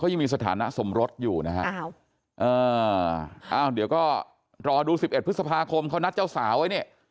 ยังมีสถานะสมรสอยู่นะฮะอ้าวเดี๋ยวก็รอดู๑๑พฤษภาคมเขานัดเจ้าสาวไว้เนี่ย